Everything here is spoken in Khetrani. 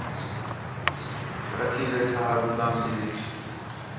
رکّھی ویٹھا ہا گُدام تی وِچ